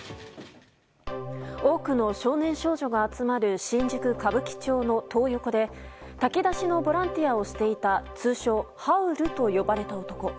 多くの少年・少女が集まる新宿・歌舞伎町のトー横で炊き出しのボランティアをしていた通称ハウルと呼ばれた男。